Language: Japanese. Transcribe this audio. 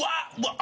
あ！